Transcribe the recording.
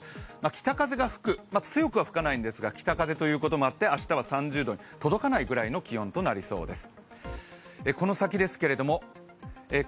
北風が吹く、まあ強くは吹かないんですが北風ということもあって明日は３０度に届かないぐらいの気温となりそうです。